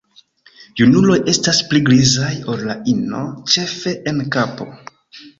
Junuloj estas pli grizaj ol la ino, ĉefe en kapo.